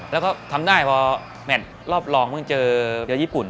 แล้วก็ทำได้พอแมทรอบรองเจอญี่ปุ่น